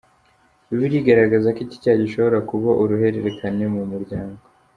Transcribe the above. Bibiliya igaragaza ko iki cyaha gishobora kuba uruhererekane mu muryango.